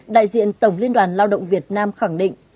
đại diện tổng liên đoàn lao động việt nam khẳng định